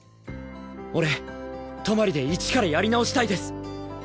俺トマリで一からやり直したいです！